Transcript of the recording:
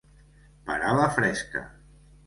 Parar la fresca.